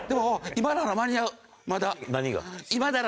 今なら間に合うから！